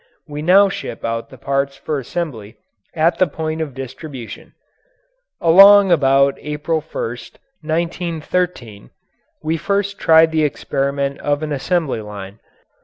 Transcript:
We now ship out the parts for assembly at the point of distribution. Along about April 1, 1913, we first tried the experiment of an assembly line.